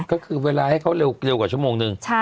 ก็คือเวลาให้เขาเร็วกว่าชั่วโมงนึง